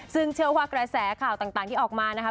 ซึ่งเชื่อว่ากระแสข่าวต่างที่ออกมานะคะ